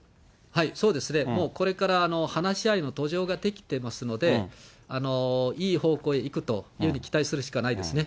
そうですね、もうこれから、話し合いの土壌が出来てますので、いい方向へ行くというふうに期待するしかないですね。